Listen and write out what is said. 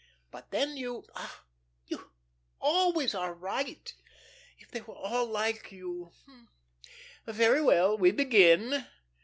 But then you, ah, you always are right. If they were all like you. Very well, we begin."